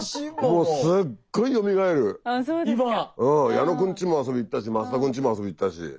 うん矢野君ちも遊び行ったし増田君ちも遊びに行ったし。